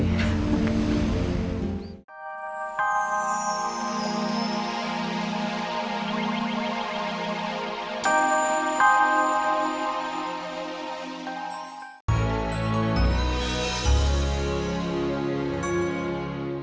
seorang yang baik